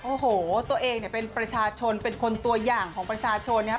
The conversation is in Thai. โอ้โหตัวเองเนี่ยเป็นประชาชนเป็นคนตัวอย่างของประชาชนนะครับ